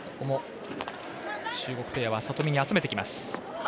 中国ペアは里見に集めてきます。